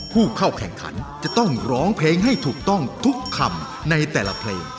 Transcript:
ผู้เข้าแข่งขันจะต้องร้องเพลงให้ถูกต้องทุกคำในแต่ละเพลง